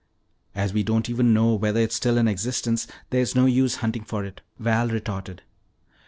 "As we don't even know whether it is still in existence, there's no use in hunting for it," Val retorted.